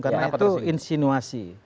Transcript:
karena itu insinuasi